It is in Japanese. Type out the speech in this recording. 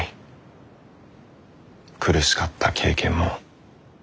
苦しかった経験も。